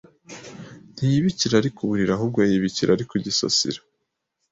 Ntiyibikira ari ku Buriri ahubwo yibikira ari ku gisasiro